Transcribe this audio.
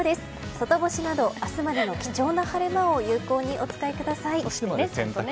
外干しなど、明日までの貴重な晴れ間を有効にお使いください。